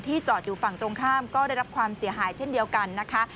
จอดอยู่ฝั่งตรงข้ามก็ได้รับความเสียหายเช่นเดียวกันนะคะ